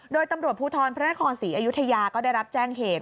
โดยตำรวจภูทรพระนครศรีอยุธยาก็ได้รับแจ้งเหตุ